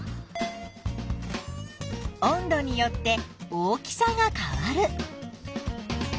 温度によって大きさが変わる。